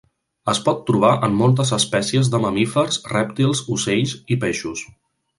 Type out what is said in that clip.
Es pot trobar en moltes espècies de mamífers, rèptils, ocells i peixos.